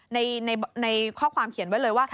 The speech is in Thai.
ในข้อความเขียนไว้เลยว่า